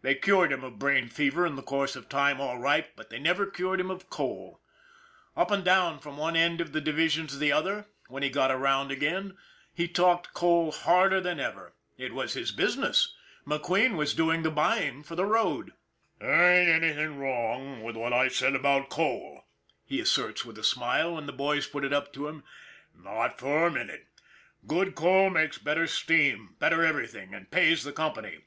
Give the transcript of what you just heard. They cured him of brain fever in the course of time all right, but they never cured him of coal. Up and down from one end of the division to the other, when he got around again, he talked coal harder than ever it was his business. McQueen was doing the buy ing for the road. '' There wasn't anything wrong with what I said about coal," he asserts with a smile, when the boys put it up to him. " Not for a minute ! Good coal makes better steam, better everything, and pays the company.